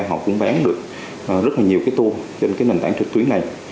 họ cũng bán được rất là nhiều cái tour trên cái nền tảng trực tuyến này